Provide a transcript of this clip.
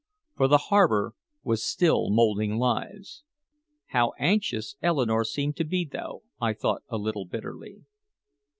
For the harbor was still molding lives. How anxious Eleanore seemed to be through, I thought a little bitterly.